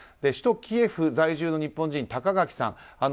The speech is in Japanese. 首都キエフ在住の日本人高垣さん